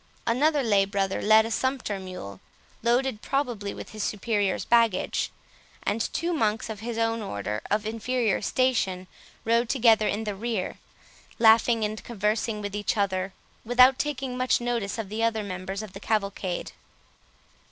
Another lay brother led a sumpter mule, loaded probably with his superior's baggage; and two monks of his own order, of inferior station, rode together in the rear, laughing and conversing with each other, without taking much notice of the other members of the cavalcade.